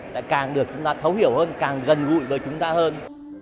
đã càng được chúng ta thấu hiểu hơn càng gần gụi với chúng ta hơn